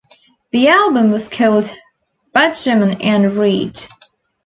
The album was called "Betjeman and Read".